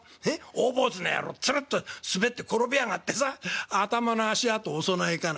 大坊主の野郎ツルッと滑って転びやがってさ頭の足跡お供えかな」。